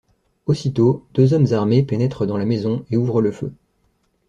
Aussitôt deux hommes armés pénètrent dans la maison et ouvrent le feu.